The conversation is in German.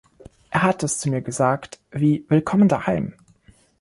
Er hat es zu mir gesagt wie ‚willkommen daheim‘.